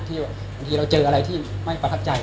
บางทีเราเจออะไรที่ไม่ประทับใจ